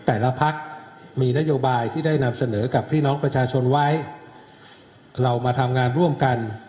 แต่ละพักมีนโยบายที่ได้นำเสนอกับพี่น้องประชาชนไว้เรามาทำงานร่วมกัน